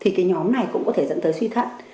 thì cái nhóm này cũng có thể dẫn tới suy thận